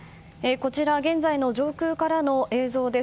こちら現在の上空からの映像です。